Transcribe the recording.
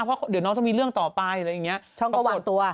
เพราะเดี๋ยวน้องต้องมีเรื่องต่อไปอะไรอย่างนี้ช่องก็วางตัว